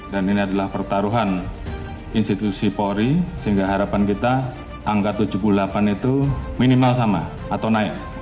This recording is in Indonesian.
dan ini adalah pertaruhan institusi polri sehingga harapan kita angka tujuh puluh delapan itu minimal sama atau naik